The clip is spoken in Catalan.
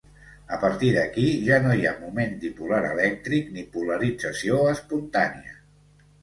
A partir d'aquí ja no hi ha moment dipolar elèctric ni polarització espontània.